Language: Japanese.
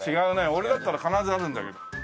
俺だったら必ずあるんだけど。